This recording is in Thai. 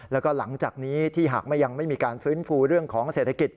แล้วก็หลังจากนี้ที่หากไม่ยังไม่มีการฟื้นฟูเรื่องของเศรษฐกิจ